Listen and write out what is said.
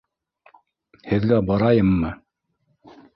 Һеҙгә барайыммы?